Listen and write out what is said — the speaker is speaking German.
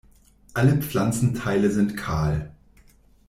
Alle Pflanzenteile sind kahl.